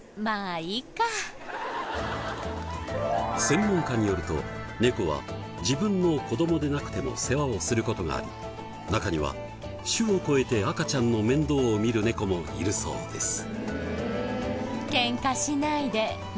専門家によるとネコは自分の子どもでなくても世話をする事があり中には種を超えて赤ちゃんの面倒を見るネコもいるそうです。